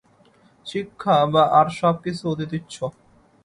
শিক্ষা বা আর সব কিছু অতি তুচ্ছ।